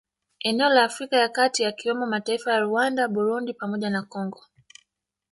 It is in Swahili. Eneo la Afrika ya kati yakiwemo mataifa ya Rwanda na Burundi pamoja na Congo